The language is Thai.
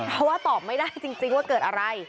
เพราะว่าตอบไม่ได้จริงว่าเกิดอะไร